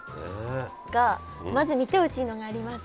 がまず見てほしいのがあります。